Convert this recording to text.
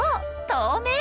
透明。